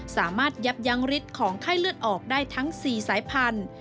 สามารถยับยั้งฤทธิ์ของไข้เลือดออกได้ทั้ง๔สายพันธุ์